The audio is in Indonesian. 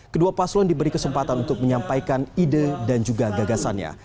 kedua paslon diberi kesempatan untuk menyampaikan ide dan juga gagasannya